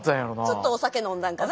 ちょっとお酒飲んだんかな。